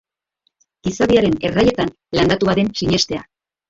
Gizadiaren erraietan landatua den sinestea.